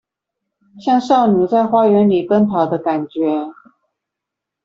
像少女在花園裡奔跑的感覺